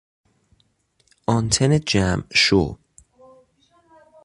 آنتن جمع شو